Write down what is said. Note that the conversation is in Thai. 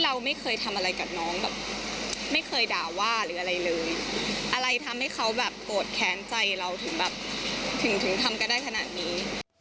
และก็ตั้งใจเราถึงทำได้ขนาดนี้